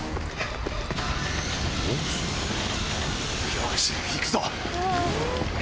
よし行くぞ！